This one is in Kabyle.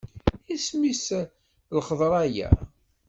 Isem-is i lxeḍra-ya?